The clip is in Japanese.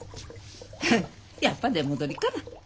フフッやっぱり出戻りかな？